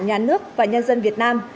nhà nước và nhân dân việt nam